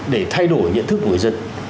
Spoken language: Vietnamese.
để thay đổi nhận thức của người dân